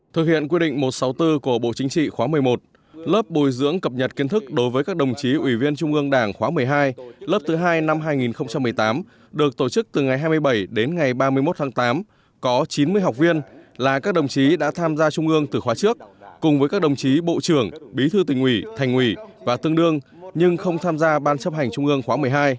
thực hiện quy định một trăm sáu mươi bốn của bộ chính trị khóa một mươi một lớp bồi dưỡng cập nhật kiến thức đối với các đồng chí ủy viên trung ương đảng khóa một mươi hai lớp thứ hai năm hai nghìn một mươi tám được tổ chức từ ngày hai mươi bảy đến ngày ba mươi một tháng tám có chín mươi học viên là các đồng chí đã tham gia trung ương từ khóa trước cùng với các đồng chí bộ trưởng bí thư tình ủy thành ủy và tương đương nhưng không tham gia ban chấp hành trung ương khóa một mươi hai